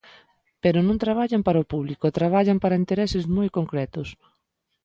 Pero non traballan para o público, traballan para intereses moi concretos.